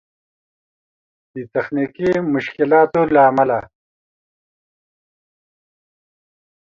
د تخنيکي مشکلاتو له امله